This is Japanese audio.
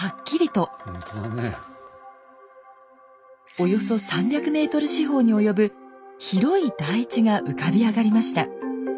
およそ３００ｍ四方に及ぶ広い台地が浮かび上がりました。